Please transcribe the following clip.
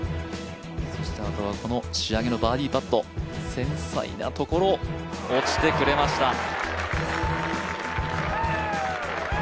この仕上げのバーディーパット、繊細なところ落ちてくれました。